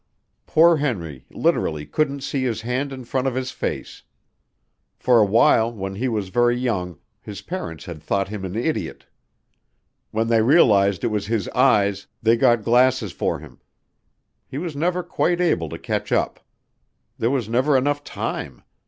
Poor Henry literally couldn't see his hand in front of his face. For a while, when he was very young, his parents had thought him an idiot. When they realized it was his eyes, they got glasses for him. He was never quite able to catch up. There was never enough time.